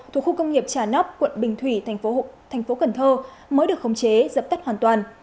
thuộc khu công nghiệp trà nóc quận bình thủy thành phố cần thơ mới được khống chế dập tắt hoàn toàn